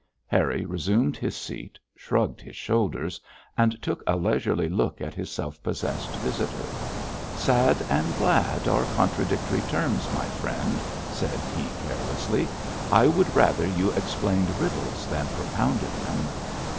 Harry resumed his seat, shrugged his shoulders, and took a leisurely look at his self possessed visitor. 'Sad and glad are contradictory terms, my friend,' said he, carelessly. 'I would rather you explained riddles than propounded them.'